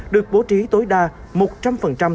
được bố trí tối đối với các cơ sở xét nghiệm toàn dân